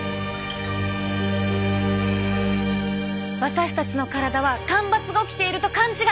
私たちの体は干ばつが起きていると勘違い！